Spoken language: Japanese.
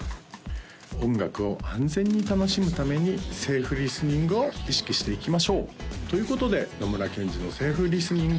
音楽を安全に楽しむために「セーフリスニング」を意識していきましょうということで「野村ケンジのセーフリスニング」